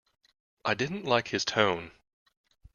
I didn't like his tone.